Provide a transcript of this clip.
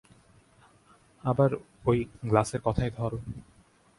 আবার ঐ গ্লাসের কথাই ধর।